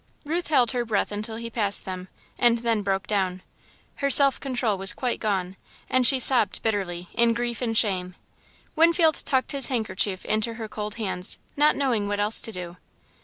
Ruth held her breath until he passed them, and then broke down. Her self control was quite gone, and she sobbed bitterly, in grief and shame. Winfield tucked his handkerchief into her cold hands, not knowing what else to do.